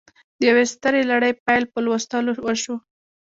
د یوې سترې لړۍ پیل په لوستلو وشو